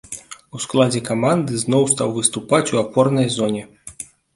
У складзе каманды зноў стаў выступаць у апорнай зоне.